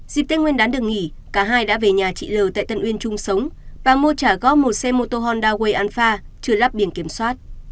dịp tết nguyên đán được nghỉ cả hai đã về nhà chị l tại tân uyên chung sống và mua trả góp một xe mô tô honda way anfa chưa lắp biển kiểm soát